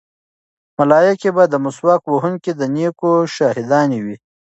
ملایکې به د مسواک وهونکي د نیکیو شاهدانې وي.